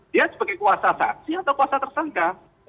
dia sebagai kuasa saksi atau kuasa tersangka